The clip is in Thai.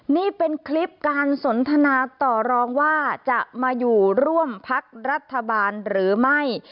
นี่เป็นคลิปการสนทนาต่อรองว่าจะมาอยู่ร่วมพักรัฐบาลหรือไม่